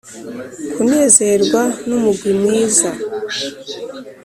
kunezerwa n'umugwi mwiza.